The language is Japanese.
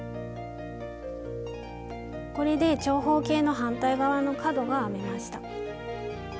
これで長方形の反対側の角が編めました。